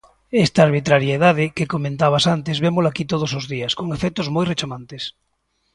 Esta arbitrariedade que comentabas antes, vémola aquí todos os días, con efectos moi rechamantes.